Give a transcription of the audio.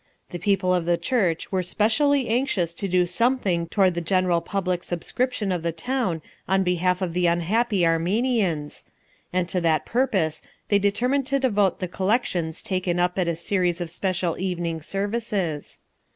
The people of the church were specially anxious to do something toward the general public subscription of the town on behalf of the unhappy Armenians, and to that purpose they determined to devote the collections taken up at a series of special evening services.